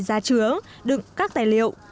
giá trưởng đựng các tài liệu